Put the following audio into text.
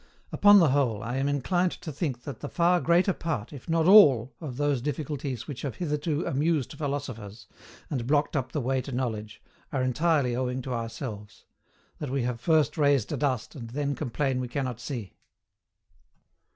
Upon the whole, I am inclined to think that the far greater part, if not all, of those difficulties which have hitherto amused philosophers, and blocked up the way to knowledge, are entirely owing to ourselves that we have first raised a dust and then complain we cannot see.